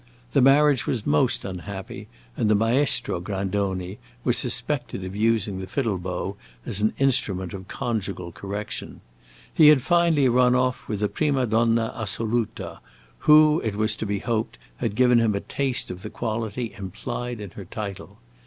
The marriage was most unhappy, and the Maestro Grandoni was suspected of using the fiddle bow as an instrument of conjugal correction. He had finally run off with a prima donna assoluta, who, it was to be hoped, had given him a taste of the quality implied in her title.